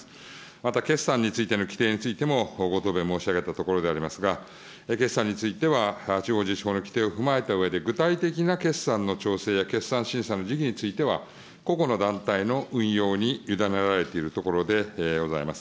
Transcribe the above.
また決算についての規定についても、ご答弁申し上げたところでございますが、決算については、地方自治法の規定を踏まえたうえで、具体的な決算の調整や決算審査の時期については、個々の団体の運用に委ねられているところでございます。